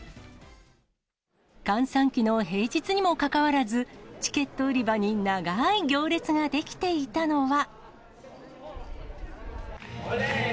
閑散期の平日にもかかわらず、チケット売り場に長ーい行列が出来ていたのは。